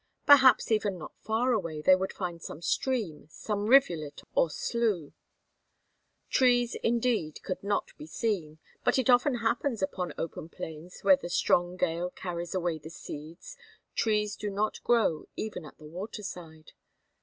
Perhaps even not far away they would find some stream, some rivulet or slough. Trees, indeed, could not be seen, but it often happens upon open plains where the strong gale carries away the seeds, trees do not grow even at the water side.